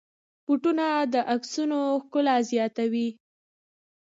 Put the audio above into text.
بوټونه د عکسونو ښکلا زیاتوي.